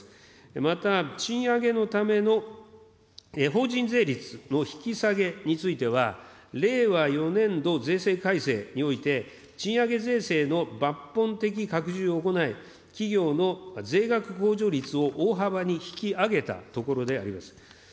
また賃上げのための法人税率の引き下げについては、令和４年度税制改正において、賃上げ税制の抜本的拡充を行い、企業の税額控除率を大幅に引き上げたところであります。